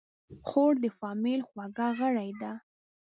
خور د فامیل خوږه غړي ده.